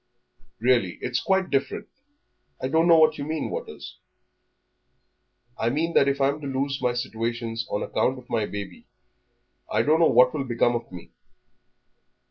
"Really, it's quite different.... I don't know what you mean, Waters." "I mean that if I am to lose my situations on account of my baby, I don't know what will become of me.